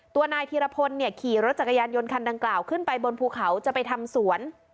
นายธีรพลเนี่ยขี่รถจักรยานยนต์คันดังกล่าวขึ้นไปบนภูเขาจะไปทำสวน